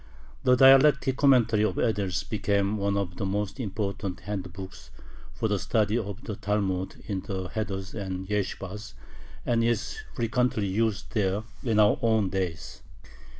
The dialectic commentary of Edels became one of the most important handbooks for the study of the Talmud in the heders and yeshibahs, and is frequently used there in our own days.